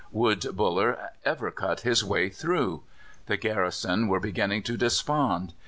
Would Buller ever cut his way through? The garrison were beginning to despond.